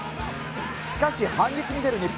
しかし反撃に出る日本。